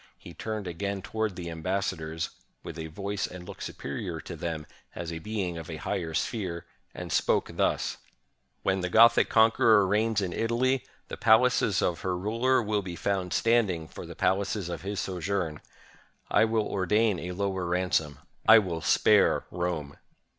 He turned again toward the ambassadors — with a voice and look superior to them as a being of a higher sphere — and spoke thus: — "When the Gothic conqueror reigns in Italy, the pal aces of her ruler will be found standing for the palaces of his sojourn. I will ordain a lower ransom; I will spare Rome."